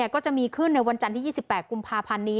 ก็จะมีขึ้นในวันจันทร์ที่๒๘กุมภาพันธ์นี้